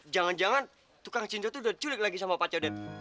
jangan jangan tukang cincau tuh udah diculik lagi sama pak codet